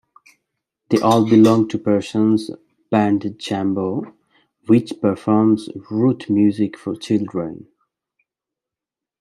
They all belong to Pierson's band Jambo, which performs roots music for children.